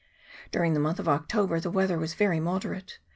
During the month of October the weather was very moderate.